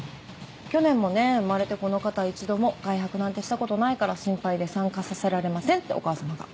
去年もね生まれてこの方一度も外泊なんてしたことないから心配で参加させられませんってお母様が。